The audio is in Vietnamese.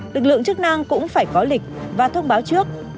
lực lượng chức năng cũng phải có lịch và thông báo trước